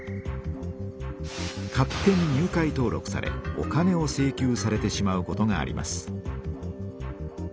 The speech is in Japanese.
勝手に入会登録されお金を請求されてしまうことがあります。